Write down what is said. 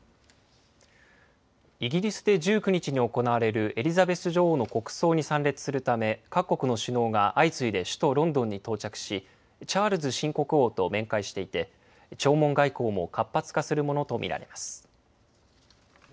イギリスで１９日に行われるエリザベス女王の国葬に参列するため、各国の首脳が相次いで首都ロンドンに到着し、チャールズ新国王と面会していて、弔問外交も活発化するものと見られます。